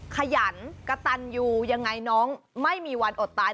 ขยันกระตันอยู่ยังไงน้องไม่มีวันอดตาย